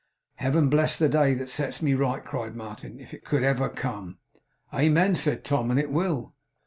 'Heaven bless the day that sets me right!' cried Martin, 'if it could ever come!' 'Amen!' said Tom. 'And it will!